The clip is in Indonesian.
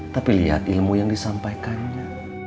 tapi lihat ilmu yang disampaikannya